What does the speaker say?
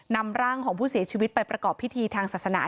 นำร่างของผู้เสียชีวิตไปประกอบพิธีทางศาสนา